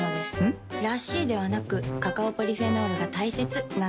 ん？らしいではなくカカオポリフェノールが大切なんです。